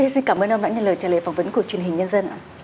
xin cảm ơn ông đã nhận lời trả lời phỏng vấn của truyền hình nhân dân